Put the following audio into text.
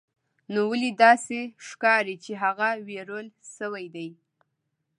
نو ولې داسې ښکاري چې هغه ویرول شوی دی